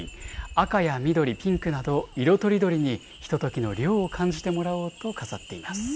赤や緑、ピンクなど、色とりどりにひとときの涼を感じてもらおうと飾っています。